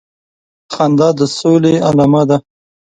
خندا د سولي علامه ده